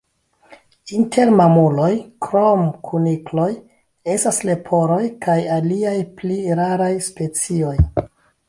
Inter mamuloj, krom kunikloj, estas leporoj kaj aliaj pli raraj specioj.